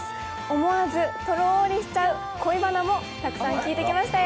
思わずとろりしちゃう恋バナも聞いてきましたよ。